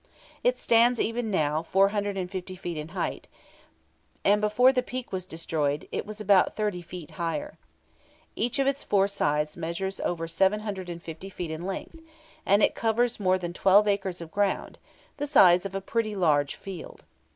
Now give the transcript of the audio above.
It stands, even now, 450 feet in height, and before the peak was destroyed, it was about 30 feet higher. Each of its four sides measures over 750 feet in length, and it covers more than twelve acres of ground, the size of a pretty large field.